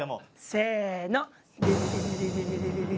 せの。